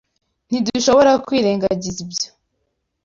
Ntidushobora kwirengagiza ibyo.